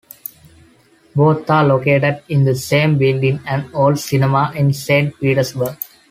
Both are located in the same building, an old cinema in Saint Petersburg.